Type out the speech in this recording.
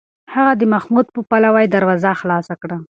هغه د محمود په پلوۍ دروازه خلاصه کړه.